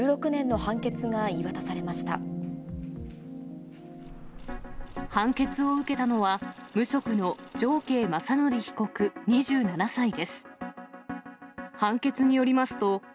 判決を受けたのは、無職の常慶雅則被告２７歳です。